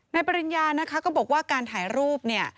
นายปริญญานะคะก็บอกว่าการถ่ายรูป